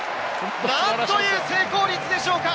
なんという成功率でしょうか！